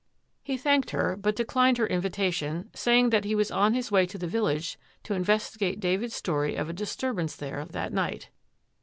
He thanked her, but declined her invitation, saying that he was on his way to the village to investigate David's story of a disturbance there that night.